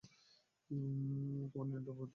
তোমরা নিরন্তর পবিত্র ও সুখী হও।